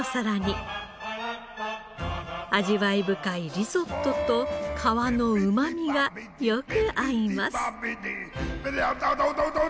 味わい深いリゾットと皮のうまみがよく合います。